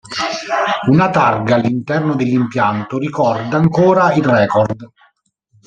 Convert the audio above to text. Una targa all'interno dell'impianto ricorda ancora il record.